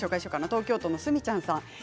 東京都の方です。